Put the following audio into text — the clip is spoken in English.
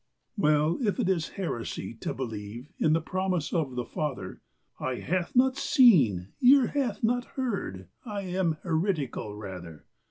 Well, if it is heresy to believe In the promise of the Father, "Eye hath not seen, ear hath not heard," I am heretical, rather.